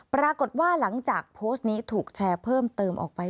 ปรากฏว่าหลังจากโพสต์นี้ถูกแชร์เพิ่มเติมออกไป